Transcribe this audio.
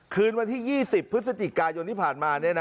คืนวันที่๒๐พฤศจิกายนที่ผ่านมา